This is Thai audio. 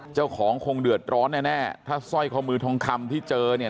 คงเดือดร้อนแน่ถ้าสร้อยคอมือทองคำที่เจอเนี่ย